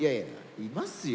いますよ